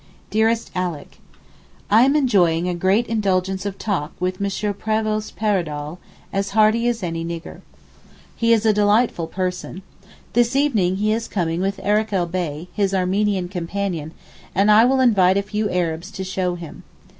DEAREST ALICK, I am enjoying a 'great indulgence of talk' with M. Prévost Paradol as heartily as any nigger. He is a delightful person. This evening he is coming with Arakel Bey, his Armenian companion, and I will invite a few Arabs to show him.